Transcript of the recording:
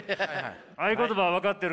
合言葉は分かってるか？